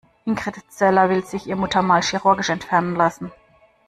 Ingrid Zeller will sich ihr Muttermal chirurgisch entfernen lassen.